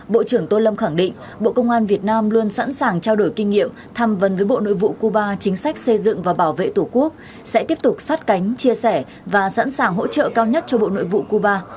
bộ trưởng tô lâm khẳng định bộ công an việt nam luôn sẵn sàng trao đổi kinh nghiệm tham vấn với bộ nội vụ cuba chính sách xây dựng và bảo vệ tổ quốc sẽ tiếp tục sát cánh chia sẻ và sẵn sàng hỗ trợ cao nhất cho bộ nội vụ cuba